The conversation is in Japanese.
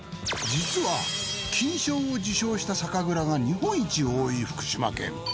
実は金賞を受賞した酒蔵が日本一多い福島県。